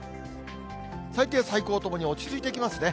最低、最高ともに落ち着いてきますね。